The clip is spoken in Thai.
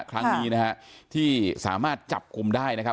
ครั้งนี้นะฮะที่สามารถจับคุมได้นะครับ